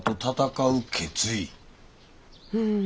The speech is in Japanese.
うん。